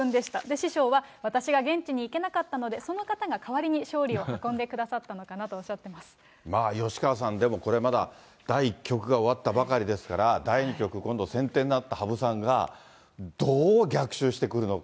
師匠は、私が現地に行けなかったので、その方が代わりに勝利を運んでくださったのかなとおっしゃっていまあ吉川さん、これでもまだ第１局が終わったばかりですから、第２局、今度、先手になった羽生さんが、どう逆襲してくるのか。